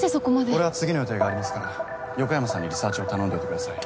俺は次の予定がありますから横山さんにリサーチを頼んでおいてください。